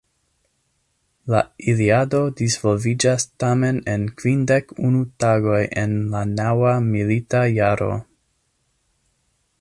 La Iliado disvolviĝas tamen en kvindek unu tagoj en la naŭa milita jaro.